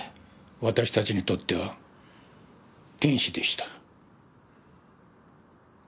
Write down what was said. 私たちにとっては天使でした。